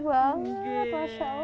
dan ada anak caranya